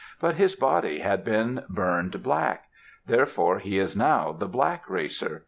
But his body had been burned black. Therefore he is now the black racer.